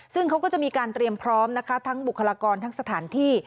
ซึ่งเขาก็จะมีการเตรียมพร้อมนะคะทั้งบุคลากรทั้งสถานที่